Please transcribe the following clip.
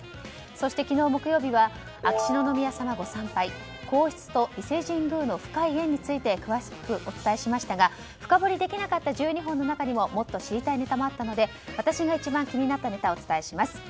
そして昨日木曜日は秋篠宮さまご参拝皇室と伊勢神宮の深い縁について詳しくお伝えしましたが深掘りできなかった１２本の中にもっと知りたいネタもあったので私が一番気になったネタをお伝えします。